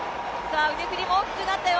腕振りも大きくなったよ。